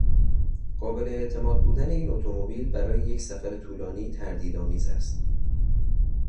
قابل اعتماد بودن این اتومبیل برای یک سفر طولانی تردیدآمیز است.